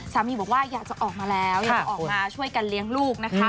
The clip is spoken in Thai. สามีบอกว่าอยากจะออกมาแล้วอยากจะออกมาช่วยกันเลี้ยงลูกนะคะ